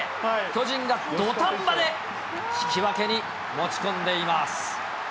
巨人が土壇場で引き分けに持ち込んでいます。